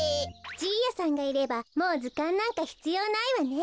じいやさんがいればもうずかんなんかひつようないわね。